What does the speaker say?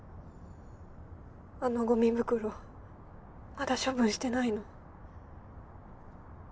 あのゴミ袋まだ処分してないの。